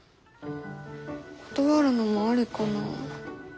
断るのもありかな。